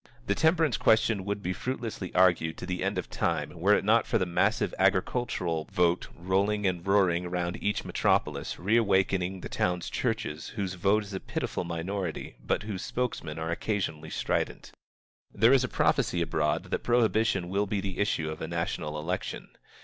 The temperance question would be fruitlessly argued to the end of time were it not for the massive agricultural vote rolling and roaring round each metropolis, reawakening the town churches whose vote is a pitiful minority but whose spokesmen are occasionally strident. There is a prophecy abroad that prohibition will be the issue of a national election.